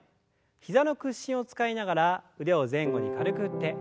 膝の屈伸を使いながら腕を前後に軽く振って。